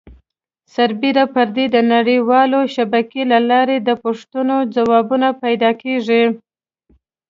سربیره پر دې د نړۍ والې شبکې له لارې د پوښتنو ځوابونه پیدا کېږي.